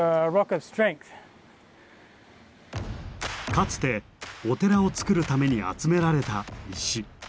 かつてお寺を造るために集められた石。